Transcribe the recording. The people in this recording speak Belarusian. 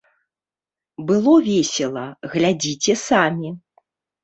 Было весела, глядзіце самі.